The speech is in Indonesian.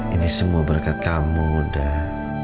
ini semua berkat kamu dah